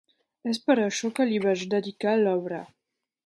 És per això què li vaig dedicar l'obra.